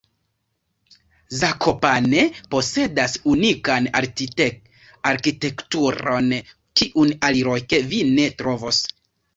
Zakopane posedas unikan arkitekturon, kiun aliloke vi ne trovos.